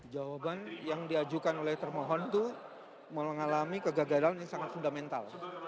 jawaban yang diajukan oleh termohon itu mengalami kegagalan yang sangat fundamental